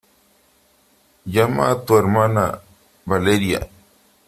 llama a tu hermana .¡ Valeria !